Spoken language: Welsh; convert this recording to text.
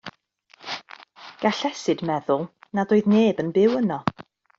Gallesid meddwl nad oedd neb yn byw yno.